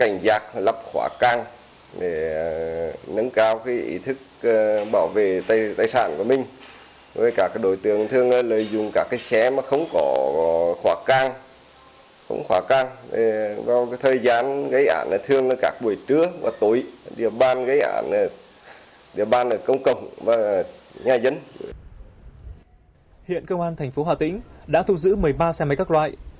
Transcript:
hiện công an thành phố hà tĩnh đã thu giữ một mươi ba xe máy các loại